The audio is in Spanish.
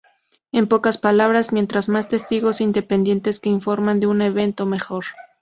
En pocas palabras, mientras más testigos independientes que informan de un evento, mejor.